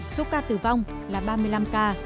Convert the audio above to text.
số ca tử vong là ba mươi năm ca